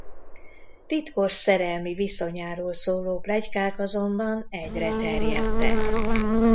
Titkos szerelmi viszonyáról szóló pletykák azonban egyre terjedtek.